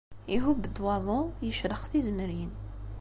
Ihubb-d waḍu, yeclex tizemrin.